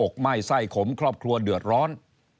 ไหม้ไส้ขมครอบครัวเดือดร้อน